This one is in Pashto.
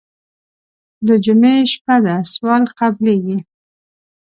د جمعې شپه ده سوال قبلېږي.